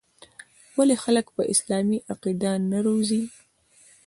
ولـې خـلـک پـه اسـلامـي عـقـيده نـه روزي.